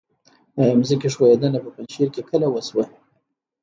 ځمکې ښویدنه په پنجشیر کې کله وشوه؟